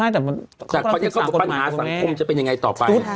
แต่พันธุ์ภาษาสังคมจะเป็นยังไงต่อไป